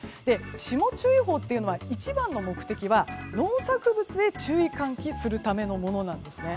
霜注意報っていうのは一番の目的は農作物に注意喚起するためのものなんです。